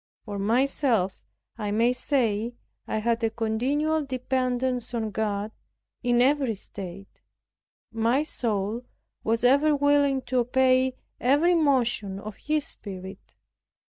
For myself I may say I had a continual dependence on God, in every state; my soul was ever willing to obey every motion of His Spirit.